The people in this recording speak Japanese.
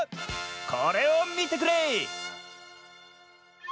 これをみてくれ！